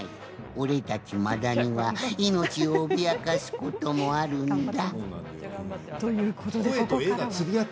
俺たちマダニは命を脅かすこともあるんだ！